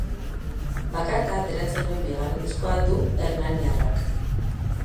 Bakarka ateratzen duen bigarren diskoa du hernaniarrak.